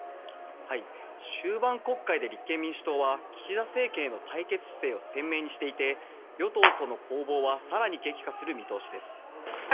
終盤国会で立憲民主党は岸田政権への対決姿勢を鮮明にしていて与党との攻防は更に激化する見通しです。